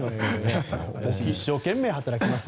一生懸命働きます。